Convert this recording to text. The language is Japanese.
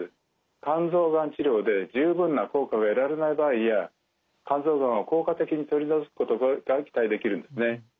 肝臓がん治療で十分な効果が得られない場合や肝臓がんを効果的に取り除くことが期待できるんですね。